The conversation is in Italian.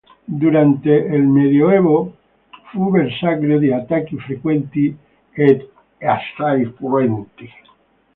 Durante il Medioevo fu bersaglio di attacchi frequenti ed assai cruenti.